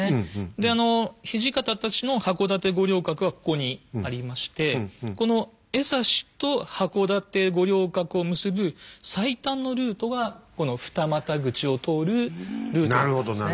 で土方たちの箱館五稜郭はここにありましてこの江差と箱館五稜郭を結ぶ最短のルートはこの二股口を通るルートだったんですね。